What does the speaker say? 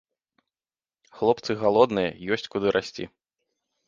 Хлопцы галодныя, ёсць куды расці.